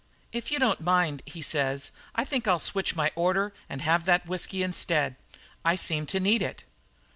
"'If you don't mind,' he says, 'I think I'll switch my order and take that whisky instead. I seem to need it.'